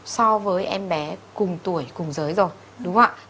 so với em bé cùng tuổi cùng giới rồi đúng không ạ